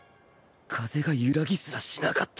風が揺らぎすらしなかった